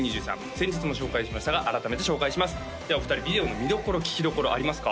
先日も紹介しましたが改めて紹介しますではお二人ビデオの見どころ聴きどころありますか？